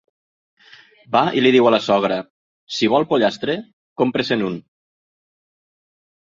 Va i li diu a la sogra: «Si vol pollastre, compre-se’n un».